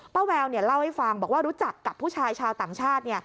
แววเล่าให้ฟังบอกว่ารู้จักกับผู้ชายชาวต่างชาติ